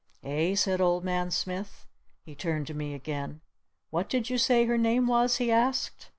"Eh?" said Old Man Smith. He turned to me again. "What did you say her name was?" he asked.